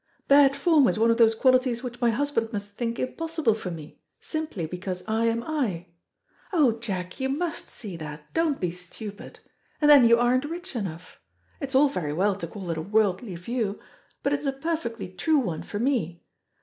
Bad form is one of those qualities which my husband must think impossible for me, simply because I am I. Oh, Jack, you must see that don't be stupid! And then you aren't rich enough. It's all very well to call it a worldly view, but it is a perfectly true one for me.